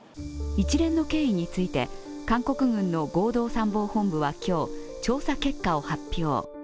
一連の経緯について韓国軍の合同参謀本部は今日、調査結果を発表。